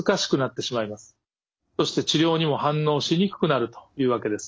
そして治療にも反応しにくくなるというわけです。